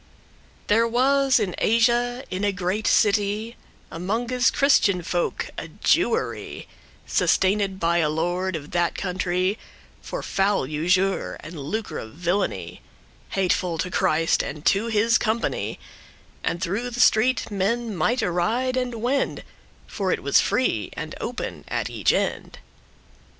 There was in Asia, in a great city, Amonges Christian folk, a Jewery,<5> Sustained by a lord of that country, For foul usure, and lucre of villainy, Hateful to Christ, and to his company; And through the street men mighte ride and wend,* *go, walk For it was free, and open at each end.